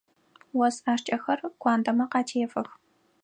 Ос ӏашкӏэхэр куандэмэ къатефэх.